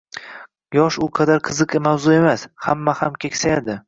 Yosh u qadar qiziq mavzu emas, hamma ham keksayadi.